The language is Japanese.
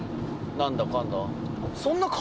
何だかんだ